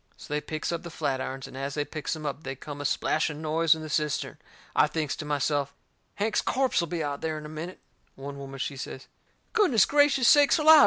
So they picks up the flatirons, and as they picks em up they come a splashing noise in the cistern. I thinks to myself, Hank's corpse'll be out of there in a minute. One woman, she says: "Goodness gracious sakes alive!